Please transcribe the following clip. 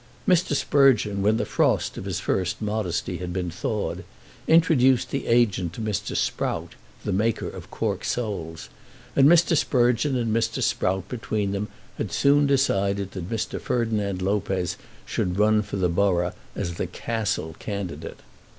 Mr. Sprugeon, when the frost of his first modesty had been thawed, introduced the agent to Mr. Sprout, the maker of cork soles, and Mr. Sprugeon and Mr. Sprout between them had soon decided that Mr. Ferdinand Lopez should be run for the borough as the "Castle" candidate.